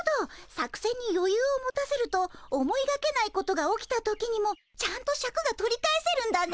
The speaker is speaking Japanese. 作せんによゆうを持たせると思いがけないことが起きた時にもちゃんとシャクが取り返せるんだね。